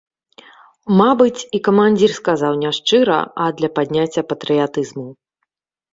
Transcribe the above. Мабыць, і камандзір сказаў не шчыра, а для падняцця патрыятызму.